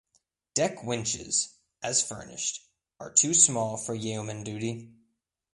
Deck winches as furnished are too small for yeoman duty.